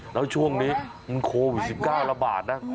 แล้วช่วงนี้มันโควิด๑๙ระบาดนะ